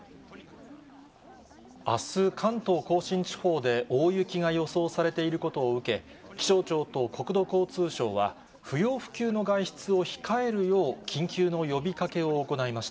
あす、関東甲信地方で大雪が予想されていることを受け、気象庁と国土交通省は、不要不急の外出を控えるよう緊急の呼びかけを行いました。